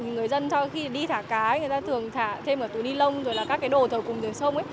người dân sau khi đi thả cá người ta thường thả thêm ở túi ni lông rồi là các cái đồ thở cùng với sông